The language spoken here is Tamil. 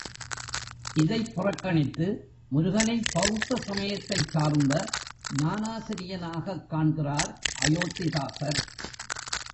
இதைப் புறக்கணித்து முருகனைப் பெளத்த சமயத்தைச் சார்ந்த ஞானாசிரியனாகக் காண்கிறார் அயோத்திதாசர்.